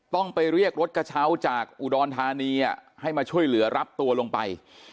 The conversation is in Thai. ต้องไปเรียกรถกระเช้าจากอุดรธานีให้มาช่วยเหลือรับตัวลงไป